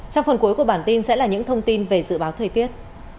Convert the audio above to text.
trong phần cuối của bản tin sẽ là những thông tin về dự báo thời tiết